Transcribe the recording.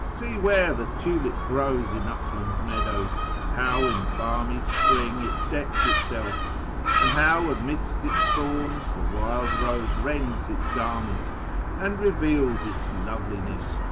See where the tulip grows In upland meadows, how in balmy spring It decks itself ; and how amidst its thorns The wild rose rends its garment, and reveals Its loveliness.